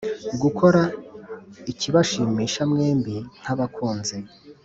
gukora ikibashimisha mwembi nk’abakunzi